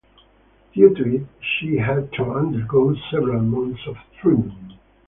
Due to it, she had to undergo several months of treatment.